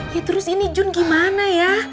ye terus ini jun gimana ya